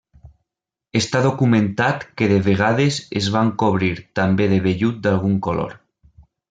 Està documentat que de vegades es van cobrir també de vellut d'algun color.